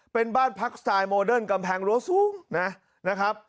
เป็นบ้านพักสไตล์โมเดิร์นกำแพงรั้วสูงนะครับ